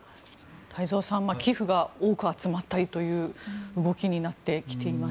太蔵さん寄付が多く集まったりという動きになってきています。